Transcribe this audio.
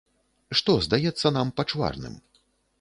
Што здаецца нам пачварным?